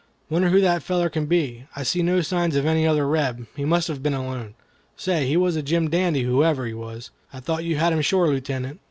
Wonder who that feller can be. I see no signs of any other Reb. He must have been alone. Say, he was a Jim dandy whoever he was. I thought you had him sure, Lieutenant."